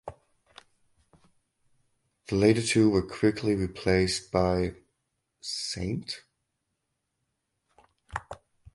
The later two were quickly replaced by St.